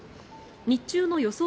日中の予想